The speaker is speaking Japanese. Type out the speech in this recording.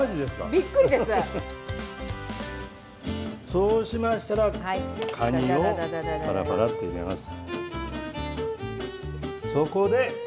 そうしましたら、かにをパラパラと入れます。